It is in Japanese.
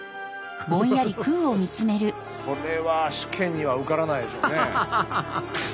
これは試験には受からないでしょうね。